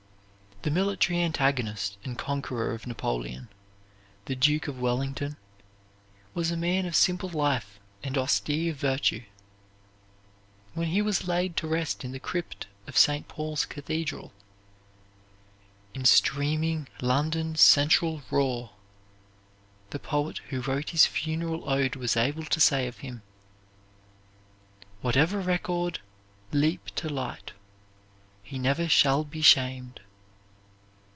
The military antagonist and conqueror of Napoleon, the Duke of Wellington, was a man of simple life and austere virtue. When he was laid to rest in the crypt of St. Paul's Cathedral, "in streaming London's central roar," the poet who wrote his funeral ode was able to say of him: "Whatever record leap to light He never shall be shamed."